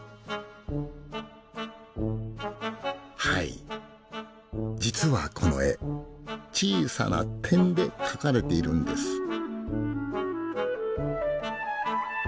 はい実はこの絵小さな点で描かれているんです。